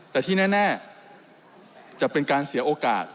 แต่ที่แน่จะเป็นการเสียโอกาส